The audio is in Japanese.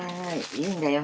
いいんだよ